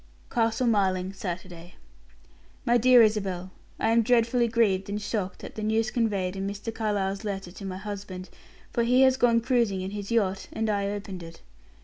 CASTLE MARLING, Saturday. "MY DEAR ISABEL I am dreadfully grieved and shocked at the news conveyed in Mr. Carlyle's letter to my husband, for he has gone cruising in his yacht, and I opened it.